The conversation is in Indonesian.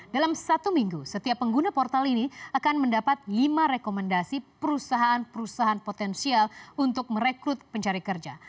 dalam satu minggu setiap pengguna portal ini akan mendapat lima rekomendasi perusahaan perusahaan potensial untuk merekrut pencari kerja